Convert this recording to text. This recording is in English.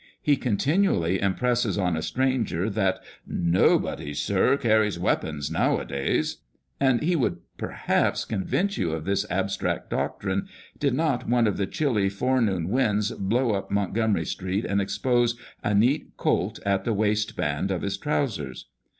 He continually im presses on a stranger that "Nobody, sir, carries weapons uow a days." And he would perhaps convince you of this abstract doctrine, did not one of the chilly forenoon winds blow up Mont gomery street and expose a neat " Colt" at the waistband of his trousers.